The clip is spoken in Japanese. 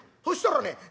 そしたらね